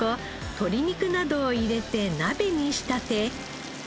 鶏肉などを入れて鍋に仕立て。